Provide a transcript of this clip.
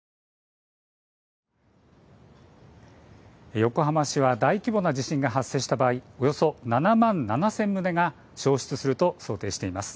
横浜市は大規模な地震が発生した場合、およそ７万７０００棟が焼失すると想定しています。